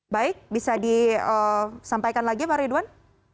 baik bisa disampaikan lagi pak ridwan